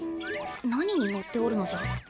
何に乗っておるのじゃ？